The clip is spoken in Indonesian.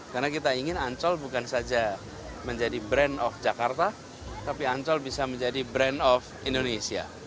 karena kita ingin ancol bukan saja menjadi brand of jakarta tapi ancol bisa menjadi brand of indonesia